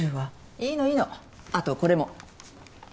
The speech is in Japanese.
いいのいいの後これも。